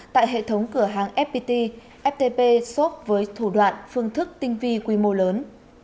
tại hệ thống cửa hàng fpt ftp sop với thủ đoạn phương thức tinh vi quy mô lớn